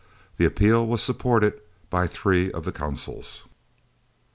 The appeal was supported by three of the Consuls.